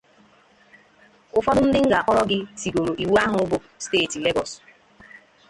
Ụfọdụ ndị m ga-akpọrọ gị tigoro iwu ahụ bụ steeti Lagos